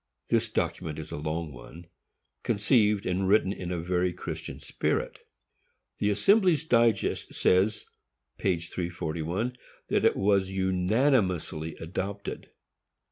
This document is a long one, conceived and written in a very Christian spirit. The Assembly's Digest says, p. 341, that it was unanimously adopted.